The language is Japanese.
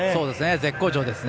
絶好調ですね。